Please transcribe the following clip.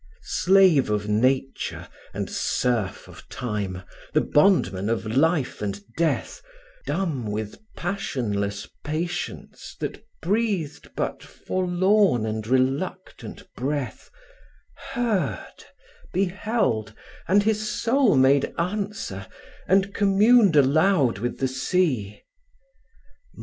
Slave of nature and serf of time, the bondman of life and death, Dumb with passionless patience that breathed but forlorn and reluctant breath, Heard, beheld, and his soul made answer, and communed aloud with the sea.